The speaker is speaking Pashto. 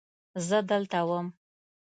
زه دلته وم.